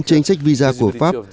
trên sách visa của pháp